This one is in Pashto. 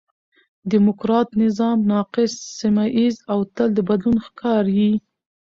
ډيموکراټ نظام ناقص، سمیه ييز او تل د بدلون ښکار یي.